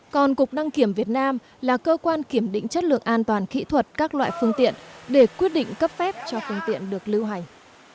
còn cục đăng kiểm việt nam là cơ quan kiểm định chất lượng an toàn kỹ thuật các loại phương tiện để quyết định cấp phép cho phương tiện được lưu hành